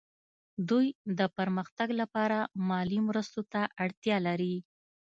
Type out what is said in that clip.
دوی د پرمختګ لپاره مالي مرستو ته اړتیا لري